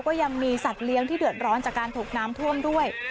ก็ยังมีสัตว์เลี้ยงที่เดือดร้อนจากการถูกน้ำท่วมด้วย